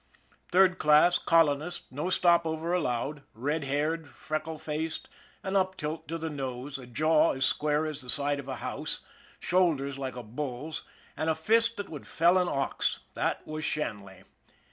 Third class, colonist, no stop over allowed, red haired, freckle faced, an uptilt to the nose, a jaw as square as the side of a house, shoulders like a bull's, and a fist that would fell an ox that was Shanley.